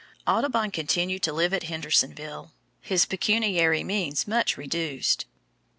Audubon continued to live at Hendersonville, his pecuniary means much reduced.